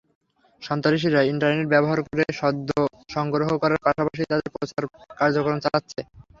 সন্ত্রাসীরা ইন্টারনেট ব্যবহার করে সদস্য সংগ্রহ করার পাশাপাশি তাদের প্রচার কার্যক্রম চালাচ্ছে।